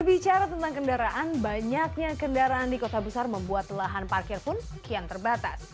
berbicara tentang kendaraan banyaknya kendaraan di kota besar membuat lahan parkir pun kian terbatas